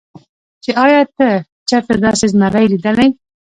چې ايا تا چرته داسې زمرے ليدلے